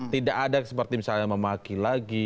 tidak ada seperti misalnya memaki lagi